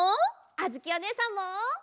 あづきおねえさんも！